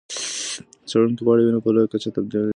څېړونکي غواړي وینه په لویه کچه تولید کړي.